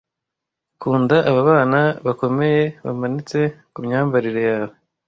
kunda aba bana bakomeye bamanitse kumyambarire yawe